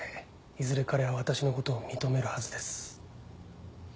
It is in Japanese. いずれ彼は私のことを認めるはずです。